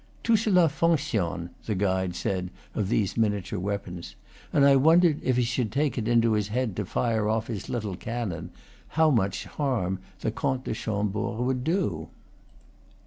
"Tout cela fonc tionne," the guide said of these miniature weapons; and I wondered, if he should take it into his head to fire off his little canon, how much harm the Comte de Chambord would do.